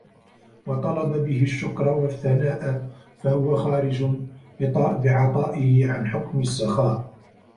وَطَلَبَ بِهِ الشُّكْرَ وَالثَّنَاءَ فَهُوَ خَارِجٌ بِعَطَائِهِ عَنْ حُكْمِ السَّخَاءِ